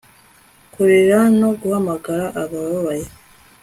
kurira no guhamagara ababaye